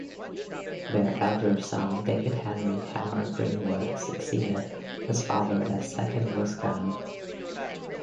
Their elder son, David Henry Hamar Greenwood, succeeded his father as second Viscount.